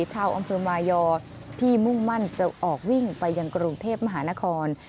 ชาวอำเภอมายอที่มุ่งมั่นจะออกวิ่งไปยังกรุงเทพมหานคร